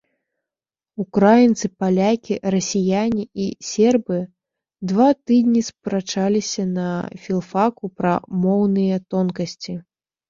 Украінцы, палякі, расіяне і сербы два тыдні спрачаліся на філфаку пра моўныя тонкасці.